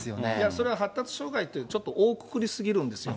それは発達障害ってちょっと、大くくりすぎるんですよ。